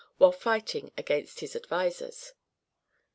while fighting against his advisers.